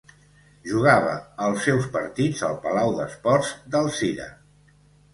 Jugava els seus partits al Palau d'Esports d'Alzira.